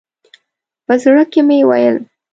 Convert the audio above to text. په زړه کې مې ویل.